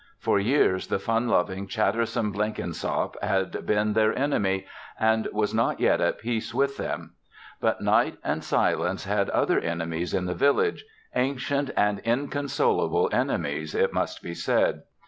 For years, the fun loving, chattersome Blenkinsop had been their enemy and was not yet at peace with them. But Night and Silence had other enemies in the village ancient and inconsolable enemies, it must be said.